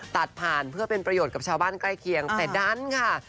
ตัดผ่านเพื่อเป็นประโยชน์กับชาวบ้านใกล้เคียงแต่ดันค่ะ